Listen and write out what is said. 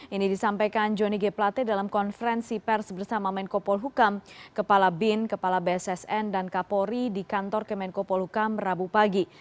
ini disampaikan jonny g plate dalam konferensi pers bersama menkopol hukam kepala bin kepala bssn dan kapolri di kantor kemenkopol hukam rabu pagi